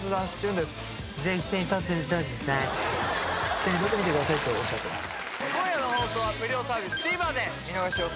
手にとってみてくださいとおっしゃってます